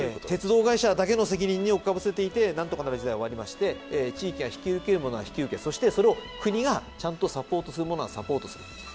鉄道会社だけの責任におっかぶせていて何とかなる時代は終わりまして地域が引き受けるものは引き受けそしてそれを国がちゃんとサポートするものはサポートする。